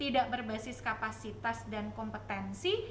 tidak berbasis kapasitas dan kompetensi